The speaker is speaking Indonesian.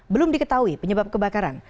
belum diketahui penyebab kebakaran